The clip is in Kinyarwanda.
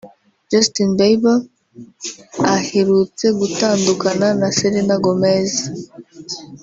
Justin Bieber aherutse gutandukana na Selena Gomez